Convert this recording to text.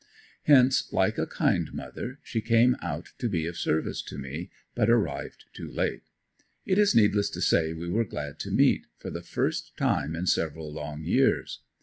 Hence, like a kind mother, she came out to be of service to me, but arrived too late. It is needless to say we were glad to meet, for the first time in several long years.